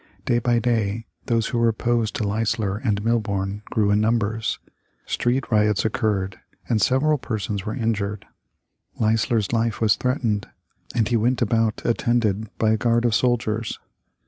Day by day those who were opposed to Leisler and Milborne grew in numbers. Street riots occurred, and several persons were injured. Leisler's life was threatened, and he went about attended by a guard of soldiers.